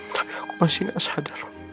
tapi aku masih tidak sadar